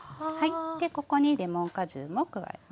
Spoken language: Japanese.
でここにレモン果汁も加えます。